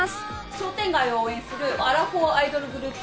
商店街を応援するアラフォーアイドルグループ。